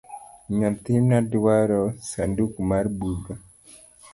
Nyathina dwaro sanduk mar buge